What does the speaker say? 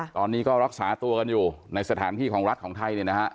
ตอนนี้ก็รักษาตัวกันอยู่ในสถานที่ของรัฐของไทย